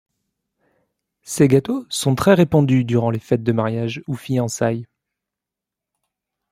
Ces gâteaux sont très répandus durant les fêtes de mariage ou fiançailles.